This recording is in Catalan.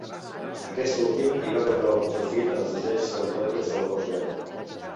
Aquest últim hi va veure algun profit en els dissenys d'helicòpters de la postguerra.